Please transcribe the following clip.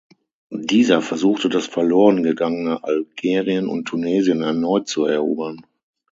Dieser versuchte das verlorengegangene Algerien und Tunesien erneut zu erobern.